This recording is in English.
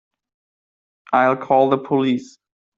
I'll call the police.